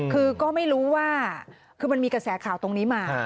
คือก็ไม่รู้ว่าคือมันมีกระแสข่าวตรงนี้มา